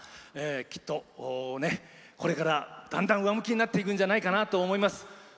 きっと、これからだんだん上向きになっていくんじゃないかと思います。